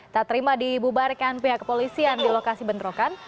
tak terima dibubarkan pihak polisi yang di lokasi bentrokan